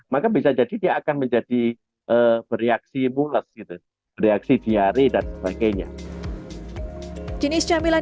maka bisa jadi dia akan menjadi bereaksi mules gitu bereaksi diari dan sebagainya jenis camilan